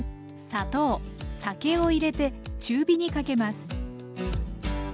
砂糖酒を入れて中火にかけます。